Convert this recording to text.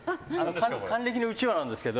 還暦のうちわなんですけど。